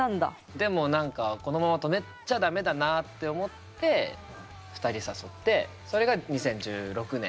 でも何かこのまま止めちゃ駄目だなって思って２人誘ってそれが２０１６年。